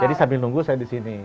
jadi sambil nunggu saya di sini